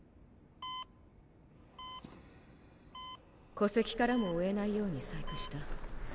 戸籍からも追えないように細工した。